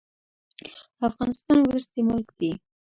افغانستان وروستی ملک دی.